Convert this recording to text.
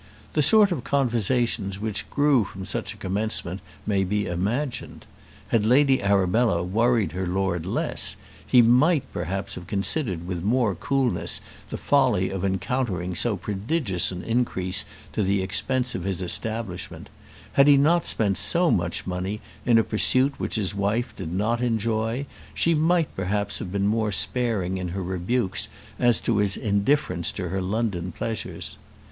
The sort of conversations which grew from such a commencement may be imagined. Had Lady Arabella worried her lord less, he might perhaps have considered with more coolness the folly of encountering so prodigious an increase to the expense of his establishment; had he not spent so much money in a pursuit which his wife did not enjoy, she might perhaps have been more sparing in her rebukes as to his indifference to her London pleasures.